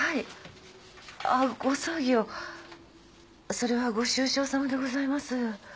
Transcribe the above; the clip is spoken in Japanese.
それはご愁傷さまでございます。